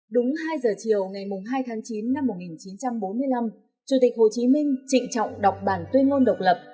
đúng hai giờ chiều ngày hai tháng chín năm một nghìn chín trăm bốn mươi năm chủ tịch hồ chí minh trịnh trọng đọc bản tuyên ngôn độc lập